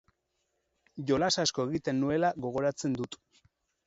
Jolas asko egiten nuela gogoratzen dut.